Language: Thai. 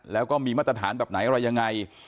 แล้วก็มีมาตรฐานแบบไหนอะไรยังไง